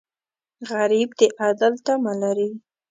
غریب د عدل تمه لري